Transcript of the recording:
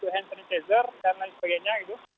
hand sanitizer dan lain sebagainya gitu